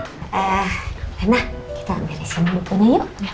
rena kita ambil isinya dulu